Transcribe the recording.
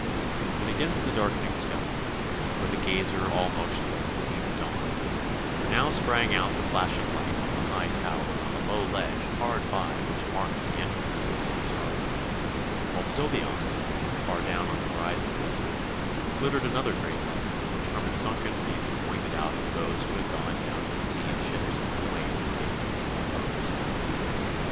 And against the darkening sky, where the gazer all motionless had seen the dawn, there now sprang out the flashing light from the high tower on the low ledge hard by which marked the entrance to the city's harbor; while still beyond, far down on the horizon's edge, ghttered another great light which from its sunken reef pointed out for those who had gone down to the sea in ships the way to safety and repose.